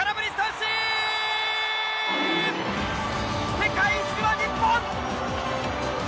世界一は日本！